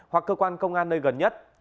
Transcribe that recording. hoặc cơ quan công an nơi gần nhất